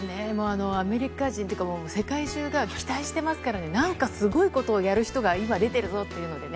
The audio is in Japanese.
アメリカ人というか世界中が期待してますから何かすごいことをやる人が今出ているぞっていうのでね。